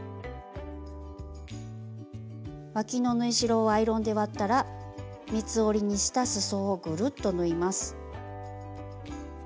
わきの縫い代をアイロンで割ったら三つ折りにしたすそをぐるっと縫います。